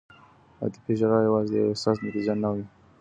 عاطفي ژړا یوازې د یو احساس نتیجه نه وي.